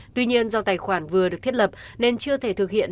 tuy nhiên do tài khoản vừa được thiết lập nên chưa thể thực hiện